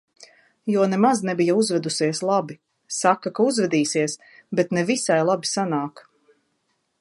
Jo nemaz nebija uzvedusies labi. Saka, ka uzvedīsies, bet ne visai labi sanāk.